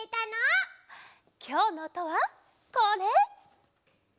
きょうのおとはこれ！